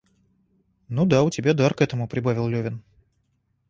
Ну да, у тебя дар к этому, — прибавил Левин.